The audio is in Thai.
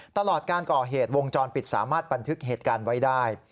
ตลอดการก่อเหตุวงจรปิดสามารถบันทึกเหตุการณ์ไว้ได้